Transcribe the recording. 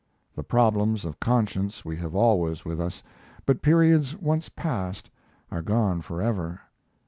The problems of conscience we have always with us, but periods once passed are gone forever.